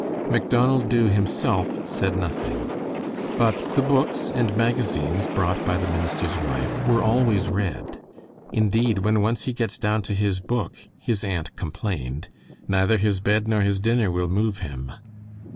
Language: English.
Macdonald Dubh himself said nothing. But the books and magazines brought by the minister's wife were always read. "Indeed, when once he gets down to his book," his aunt complained, "neither his bed nor his dinner will move him."